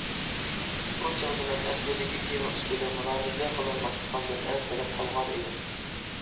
بۇ چاغدا مەن ئەسلىدىكى تېما ئۈستىدە مۇلاھىزە قىلالماسلىقىمدىن ئەنسىرەپ قالغان ئىدىم.